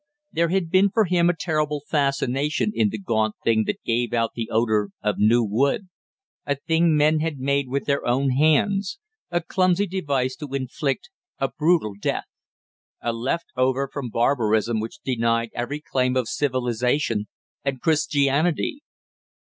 There had been for him a terrible fascination in the gaunt thing that gave out the odor of new wood; a thing men had made with their own hands; a clumsy device to inflict a brutal death; a left over from barbarism which denied every claim of civilization and Christianity!